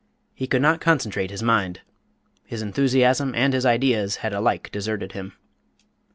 He could not concentrate his mind; his enthusiasm and his ideas had alike deserted him.